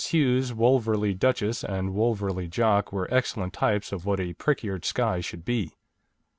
Hughes' Wolverley Duchess and Wolverley Jock were excellent types of what a prick eared Skye should be.